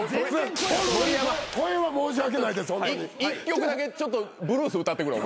１曲だけちょっとブルース歌ってくれ。